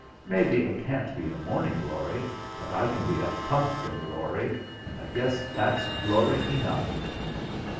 Maybe I can't be a morning glory, but I can be a pumpkin glory, and I guess that's glory enough.'